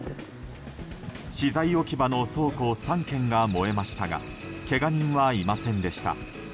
資材置き場の倉庫３軒が燃えましたがけが人はいませんでした。